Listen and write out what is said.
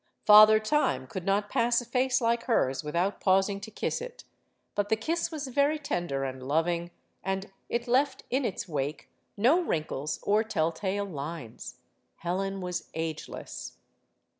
Father Time could not pass a face like hers without pausing to kiss it; but the kiss was very tender and loving, and it left in its wake no wrinkles or telltale lines. Helen was ageless.